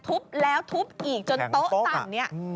ทุบแล้วทุบอีกจนโต๊ะต่ำเนี่ย